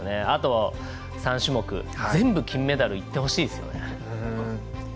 あと３種目、全部金メダルいってほしいですよね。